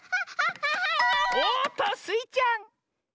おっとスイちゃん！